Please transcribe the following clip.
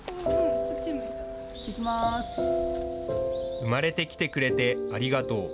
生まれてきてくれてありがとう。